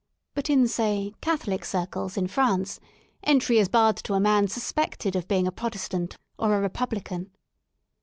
But in, say, Catholic circles in France, entry is barred to a man suspected of being a Protestant or a Republican.